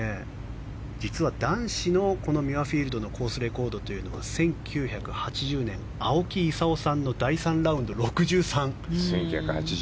実は男子のミュアフィールドのコースレコードというのは１９８０年青木功さんの第３ラウンドの６３。